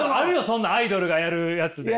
そんなアイドルがやるやつで！